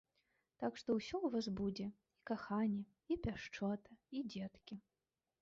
Так што ўсё ў вас будзе, і каханне, і пяшчота, і дзеткі!